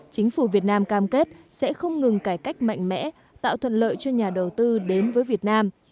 chính phủ việt nam cam kết sẽ không ngừng cải cách mạnh mẽ tạo thuận lợi cho nhà đầu tư đến với việt nam